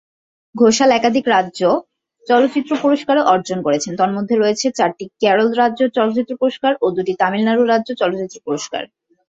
ঘোষাল একাধিক রাজ্য চলচ্চিত্র পুরস্কারও অর্জন করেছেন, তন্মধ্যে রয়েছে চারটি কেরল রাজ্য চলচ্চিত্র পুরস্কার, ও দুটি তামিলনাড়ু রাজ্য চলচ্চিত্র পুরস্কার।